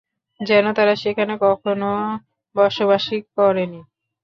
যেন তারা সেখানে কখনও বসবাসই করেনি।